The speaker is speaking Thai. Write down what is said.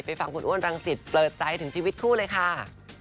ฟังคุณอ้วนรังสิตเปิดใจถึงชีวิตคู่เลยค่ะ